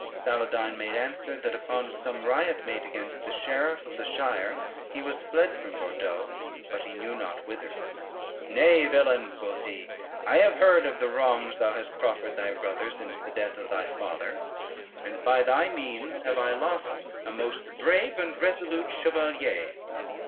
Saladyne made answer, that upon some riot made against the sheriff of the shire, he was fled from Bordeaux, but he knew not whither. "Nay, villain," quoth he, "I have heard of the wrongs thou hast proffered thy brother since the death of thy father, and by thy means have I lost a most brave and resolute chevalier.